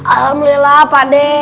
alhamdulillah pak de